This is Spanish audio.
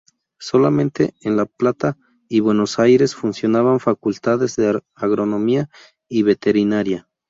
Solamente en La Plata y Buenos Aires, funcionaban Facultades de Agronomía y Veterinaria.